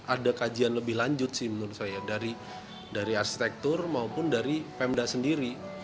ada kajian lebih lanjut sih menurut saya dari arsitektur maupun dari pemda sendiri